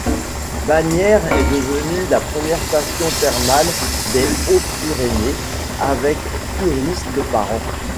Bagnéres est devenue la première station thermale des Hautes-Pyrénées avec curistes par an.